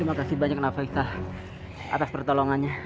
terima kasih banyak bapak ikta atas pertolongannya